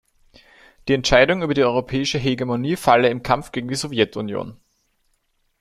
Die Entscheidung über die europäische Hegemonie falle im Kampf gegen die Sowjetunion.